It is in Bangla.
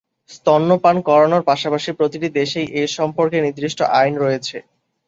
স্তন্যপান করানোর পাশাপাশি প্রতিটি দেশেই এ সম্পর্কে নির্দিষ্ট আইন রয়েছে।